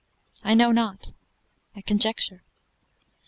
I know not; I conjecture.